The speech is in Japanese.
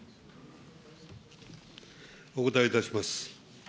お答えいたします。